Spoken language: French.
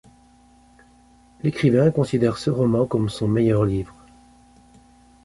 L'écrivain considère ce roman comme son meilleur livre.